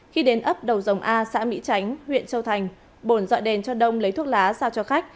khi đến ấp đầu dòng a xã mỹ tránh huyện châu thành bồn dọn đèn cho đông lấy thuốc lá sao cho khách